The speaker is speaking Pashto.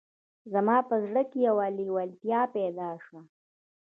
زما په زړه کې یوه لېوالتیا پیدا شوه